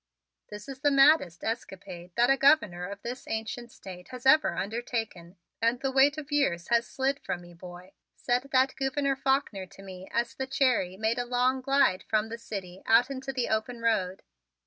"This is the maddest escapade that a Governor of this ancient State has ever undertaken, and the weight of years has slid from me, boy," said that Gouverneur Faulkner to me as the Cherry made a long glide from the city out into the open road.